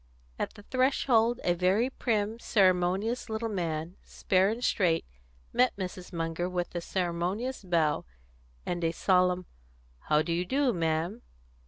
At the threshold a very prim, ceremonious little man, spare and straight, met Mrs. Munger with a ceremonious bow, and a solemn "How do you do, ma'am?